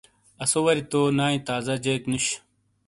آسو وری تو نائی تازہ جیک نوش ۔